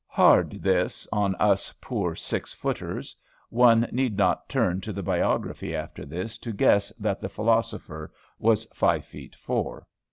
'" Hard, this, on us poor six footers. One need not turn to the biography after this, to guess that the philosopher was five feet four.